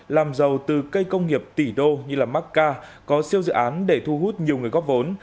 làm giàu từ cây công nghiệp tỷ đô như macca có siêu dự án để thu hút nhiều người góp vốn